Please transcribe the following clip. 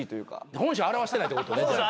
本性現してないってことね。